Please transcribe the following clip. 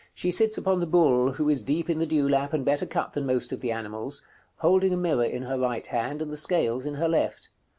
She sits upon the bull, who is deep in the dewlap, and better cut than most of the animals, holding a mirror in her right hand, and the scales in her left.